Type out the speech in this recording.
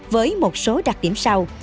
với một số đặc điểm sau